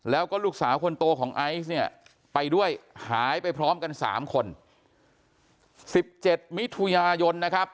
แล้วก็ลูกสาวคนโตของไอซ์เนี่ยไปด้วยหายไปพร้อมกันสามคนสิบเจ็ดมิถุนายนนะครับ